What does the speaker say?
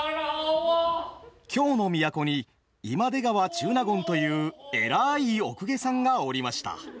京の都に今出川中納言という偉いお公家さんがおりました。